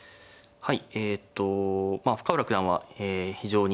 はい。